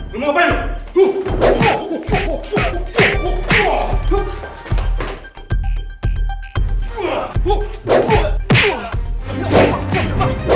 mereka menanggung kekuasaan kita